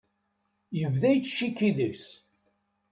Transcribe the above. Yebda yettcikki deg-s.